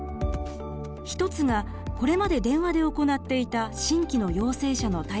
一つがこれまで電話で行っていた新規の陽性者の体調確認。